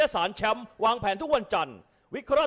ตู้วางแผนทุกวันดังคาญ